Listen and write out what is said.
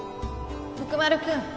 徳丸君。